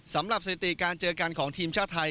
สำหรับสติการเจอกันของทีมชาติไทย